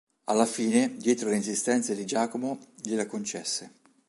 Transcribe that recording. Alla fine, dietro le insistenze di Giacomo, gliela concesse.